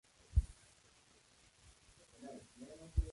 En realidad, el feto era un conejo muerto.